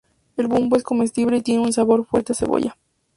El bulbo es comestible y tiene un sabor fuerte a cebolla.